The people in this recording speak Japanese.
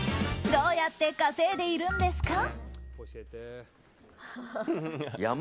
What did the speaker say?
どうやって稼いでいるんですか？